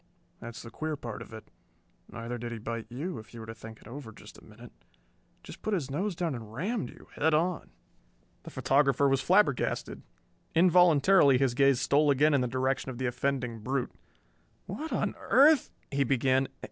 That's the queer part of it. Neither did he bite you, if you were to think it over a minute. Just put his nose down and rammed you, head on." The photographer was flabbergasted. Involuntarily his gaze stole again in the direction of the offending brute. "What on earth " he began.